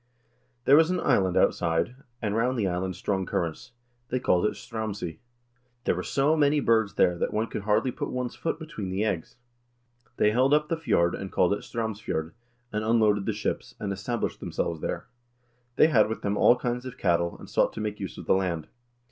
" There was an island outside, and round the island strong currents. They called it 'Straumsey.' There were so many birds there that one could hardly put one's foot between the eggs. They held up the fjord, and called it 'Straumsfjord,' and unloaded the ships, and established themselves there. They had with them all kinds of cattle, and sought to make use of the land.